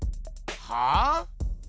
はあ？